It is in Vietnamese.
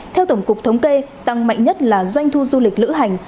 theo tổng cục thống kê tăng mạnh nhất là doanh thu du lịch lữ hành